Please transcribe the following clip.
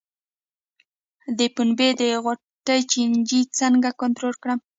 د پنبې د غوټې چینجی څنګه کنټرول کړم؟